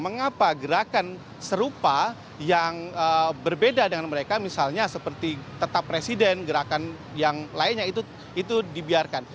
mengapa gerakan serupa yang berbeda dengan mereka misalnya seperti tetap presiden gerakan yang lainnya itu dibiarkan